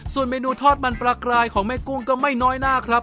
ส่วนเมนูทอดมันปลากรายของแม่กุ้งก็ไม่น้อยหน้าครับ